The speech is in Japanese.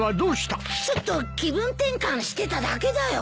ちょっと気分転換してただけだよ。